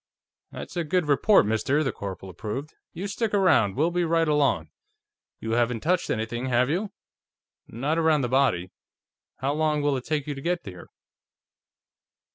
"That's a good report, mister," the corporal approved. "You stick around; we'll be right along. You haven't touched anything, have you?" "Not around the body. How long will it take you to get here?"